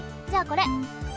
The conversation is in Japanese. じゃあこれ！